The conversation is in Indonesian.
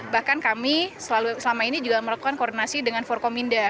bahkan kami selama ini juga melakukan koordinasi dengan forkominda